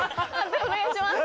判定お願いします。